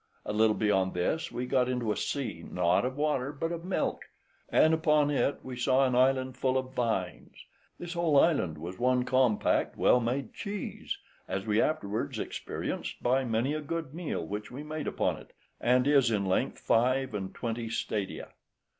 A little beyond this, we got into a sea, not of water, but of milk; and upon it we saw an island full of vines; this whole island was one compact well made cheese, as we afterwards experienced by many a good meal, which we made upon it, and is in length five and twenty stadia.